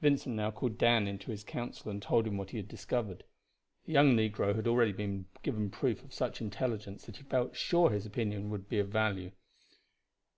Vincent now called Dan into his counsel and told him what he had discovered. The young negro had already given proof of such intelligence that he felt sure his opinion would be of value.